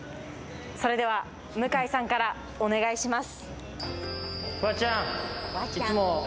それでは向井さんからお願いします。